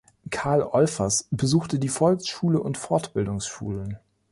Karl Olfers besuchte die Volksschule und Fortbildungsschulen.